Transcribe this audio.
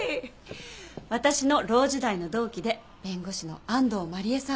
私のロー時代の同期で弁護士の安藤麻理恵さん。